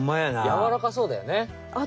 やわらかそうだよね。